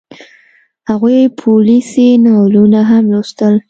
هغې پوليسي ناولونه هم لوستل